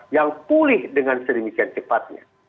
yang pulih dengan sedemikian cepatnya